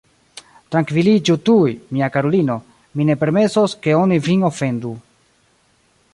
Trankviliĝu tuj, mia karulino, mi ne permesos, ke oni vin ofendu.